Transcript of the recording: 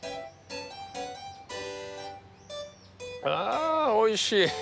あおいしい。